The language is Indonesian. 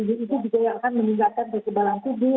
itu juga yang akan meningkatkan kekebalan tubuh